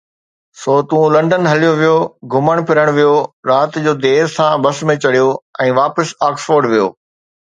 سو تون لنڊن هليو ويو، گهمڻ ڦرڻ ويو، رات جو دير سان بس ۾ چڙهيو ۽ واپس آڪسفورڊ ويو.